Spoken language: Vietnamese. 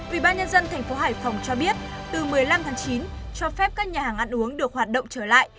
ủy ban nhân dân thành phố hải phòng cho biết từ một mươi năm tháng chín cho phép các nhà hàng ăn uống được hoạt động trở lại